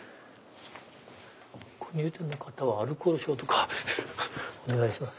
「ご入店の方はアルコール消毒をお願いします。